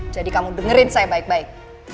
jadi kamu dengerin saya baik baik